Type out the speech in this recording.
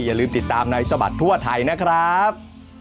อย่าลืมติดตามในสบัดทั่วไทยนะครับ